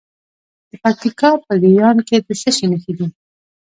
د پکتیکا په ګیان کې د څه شي نښې دي؟